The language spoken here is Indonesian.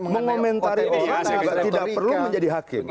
mengomentari orang juga tidak perlu menjadi hakim